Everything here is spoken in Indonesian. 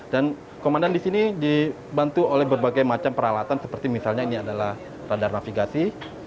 dan komandan disini dibantu oleh berbagai macam peralatan seperti misalnya ini adalah radar navigasi